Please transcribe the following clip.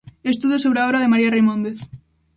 Estudos sobre a obra de María Reimóndez.